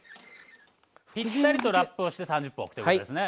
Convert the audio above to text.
ピッタリとラップをして３０分おくということですね。